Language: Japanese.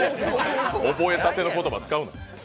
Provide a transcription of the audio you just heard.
覚えたての言葉使うな。